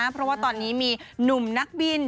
เพราะว่าตอนนี้มีหนุ่มนักบิน